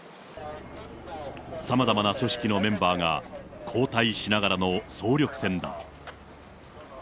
さまざまな組織のメンバーが交代しながらの総力戦だ。